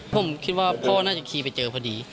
ผมคิดว่าพ่อน่าจะขี่ไปเจอพอดี